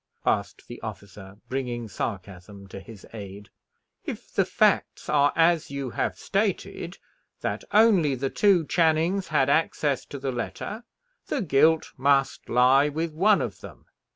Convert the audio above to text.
asked the officer, bringing sarcasm to his aid. "If the facts are as you have stated, that only the two Channings had access to the letter, the guilt must lie with one of them.